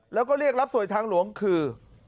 แล้วก็เรียกรับสวยทางหลวงคือ